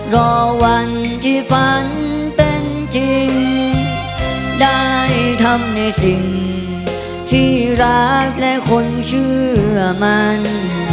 รอวันที่ฝันเป็นจริงได้ทำในสิ่งที่รักและคนเชื่อมัน